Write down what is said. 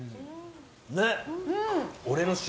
ねっ。